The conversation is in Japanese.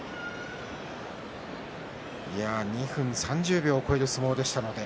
２分３０秒を超える相撲でした。